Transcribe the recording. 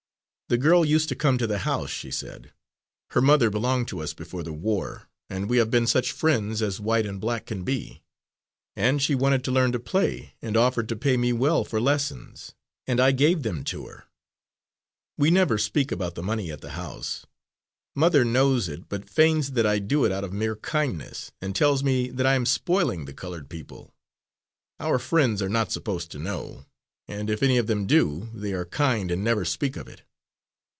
"The girl used to come to the house," she said. "Her mother belonged to us before the war, and we have been such friends as white and black can be. And she wanted to learn to play, and offered to pay me well for lessons, and I gave them to her. We never speak about the money at the house; mother knows it, but feigns that I do it out of mere kindness, and tells me that I am spoiling the coloured people. Our friends are not supposed to know it, and if any of them do, they are kind and never speak of it.